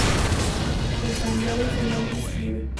En panyabí su nombre se escribe Surinder ਕੌਰ.